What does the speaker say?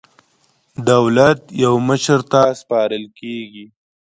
دولت یو مشر ته سپارل کېږي.